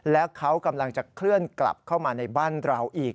แล้วเขากำลังจะเคลื่อนกลับเข้ามาในบ้านเราอีก